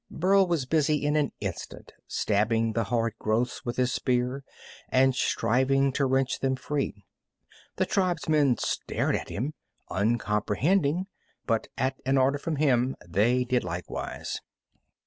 Burl was busy in an instant, stabbing the hard growths with his spear and striving to wrench them free. The tribesmen stared at him, uncomprehending, but at an order from him they did likewise.